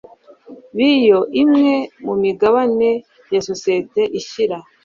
b iyo imwe mu migabane ya sosiyete ishyira